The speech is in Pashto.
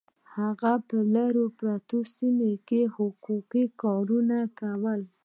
هغه په لرې پرتو سیمو کې حقوقي کارونه کول